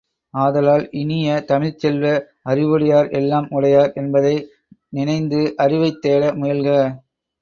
ஆதலால் இனிய தமிழ்ச் செல்வ, அறிவுடையார் எல்லாம் உடையார் என்பதை நினைந்து அறிவைத் தேட முயல்க!